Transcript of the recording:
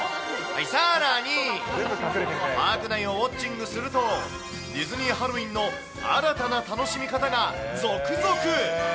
さらに、パーク内をウォッチングすると、ディズニーハロウィーンの新たな楽しみ方が続々。